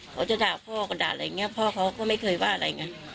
เขาจะด่าพ่อก็ด่าอะไรอย่างนี้พ่อเขาก็ไม่เคยว่าอะไรไง